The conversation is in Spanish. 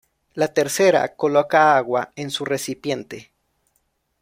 La tercera coloca agua en su recipiente.